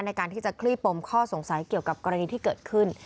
ในการที่จะคลี่ปมข้อสงสัยเกี่ยวกับกรณีที่เกิดขึ้น